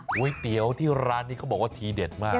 ก๋วยเตี๋ยวที่ร้านนี้เขาบอกว่าทีเด็ดมาก